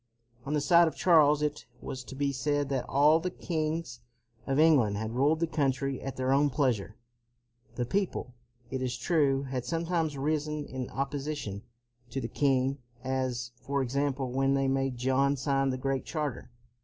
On the side of Charles it was to be said that all the kings of England had ruled the country at their own pleasure. The people, it is true, had sometimes risen in opposition to the king; as, for example, when they made John sign the Great Charter.